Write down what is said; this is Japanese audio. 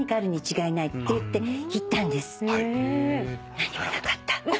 何もなかった。